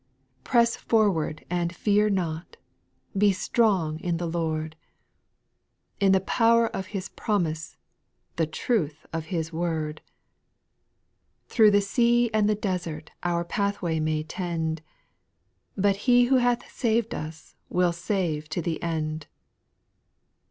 8. Press forward and fear not ; be strong in the Lord, In the pow'r of His promise, the truth of His word ; Through the sea and the desert our pathway may tend. But He who hath sav^d us will save to the end.